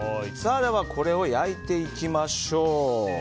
これを焼いていきましょう。